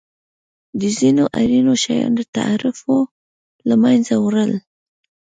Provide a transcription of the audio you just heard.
د ځینو اړینو شیانو د تعرفو له مینځه وړل.